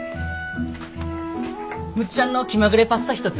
むっちゃんの気まぐれパスタ１つ。